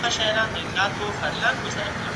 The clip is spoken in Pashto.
د اخلاقو ښودنه د کورنۍ مسؤلیت ده.